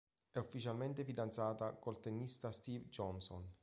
È ufficialmente fidanzata col tennista Steve Johnson.